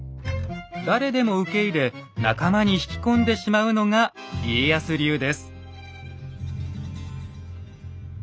誰でも受け入れ仲間に引き込んでしまうのが家康流です。